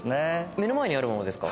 目の前にあるものですか？